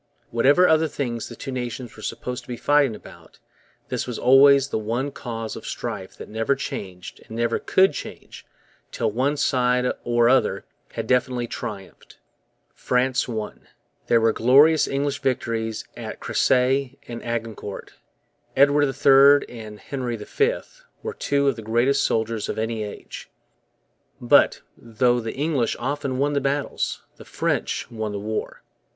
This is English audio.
Whatever other things the two nations were supposed to be fighting about, this was always the one cause of strife that never changed and never could change till one side or other had definitely triumphed. France won. There were glorious English victories at Cressy and Agincourt. Edward III and Henry V were two of the greatest soldiers of any age. But, though the English often won the battles, the French won the war.